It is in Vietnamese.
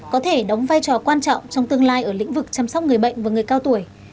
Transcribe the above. có thể đóng vai trò quan trọng trong tương lai ở lĩnh vực chăm sóc người bệnh và người cao tuổi